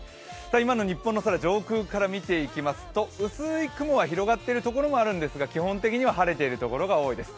今の日本の空、上空から見ていきますと薄い雲が広がっている所もあるんですが基本的には晴れているところがおおいです。